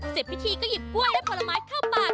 เสร็จพิธีก็หยิบก๊วยให้พละไม้เข้าบาก